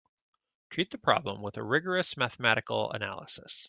Treat the problem with rigorous mathematical analysis.